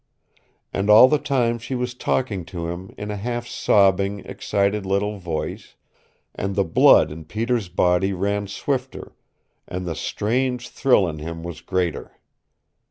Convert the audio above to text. And all the time she was talking to him in a half sobbing, excited little voice, and the blood in Peter's body ran swifter, and the strange thrill in him was greater.